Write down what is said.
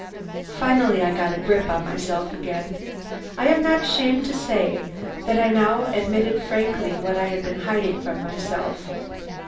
Finally I got a grip on myself again. I am not ashamed to say that I now admitted frankly what I had been hiding from myself.